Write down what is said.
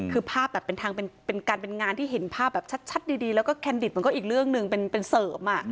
คือภาพแบบเป็นการเป็นงานที่เห็นภาพแบบชัดดีแล้วก็แคนดิตมันก็อีกเรื่องหนึ่งเป็นเสริม